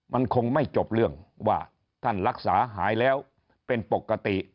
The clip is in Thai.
มันคงไม่จบเรื่องว่าท่านรักษาหายแล้วเป็นปกติ